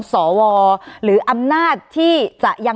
การแสดงความคิดเห็น